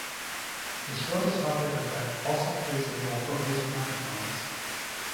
The stroboscopic effect also plays a role for laser microphones.